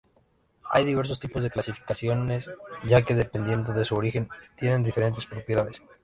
Hay diversos tipos de clasificaciones ya que dependiendo de su origen tienen diferentes propiedades.